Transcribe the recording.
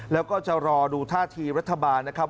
แล้วก็จะรอดูท่าทีรัฐบาลนะครับ